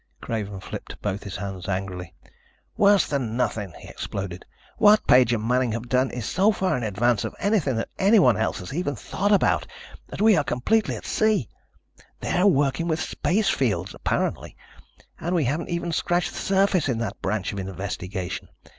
Craven flipped both his hands angrily. "Worse than nothing," he exploded. "What Page and Manning have done is so far in advance of anything that anyone else has even thought about that we are completely at sea. They're working with space fields, apparently, and we haven't even scratched the surface in that branch of investigation.